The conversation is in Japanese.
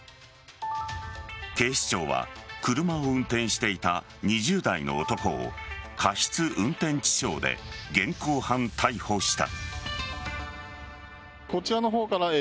警視庁は車を運転していた２０代の男を過失運転致傷で現行犯逮捕した。